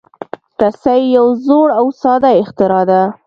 رسۍ یو زوړ او ساده اختراع ده.